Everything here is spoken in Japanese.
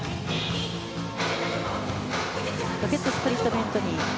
ロケットスプリットベントニー。